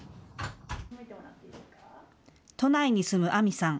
都内に住む杏美さん。